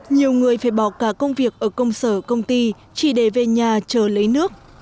nhiều người phải bỏ cả công việc ở công sở công ty chỉ để về nhà chờ lấy nước